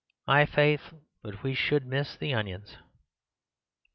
My faith, but we should miss the onions!